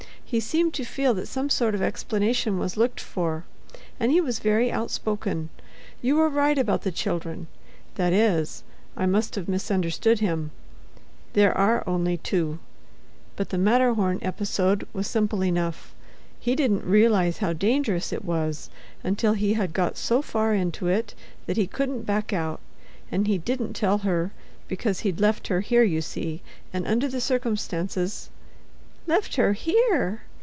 He seemed to feel that some sort of explanation was looked for, and he was very outspoken. You were right about the children—that is, I must have misunderstood him. There are only two. But the Matterhorn episode was simple enough. He didn't realize how dangerous it was until he had got so far into it that he couldn't back out; and he didn't tell her, because he'd left her here, you see, and under the circumstances——" "Left her here!"